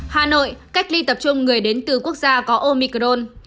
hà nội cách ly tập trung người đến từ quốc gia có omicron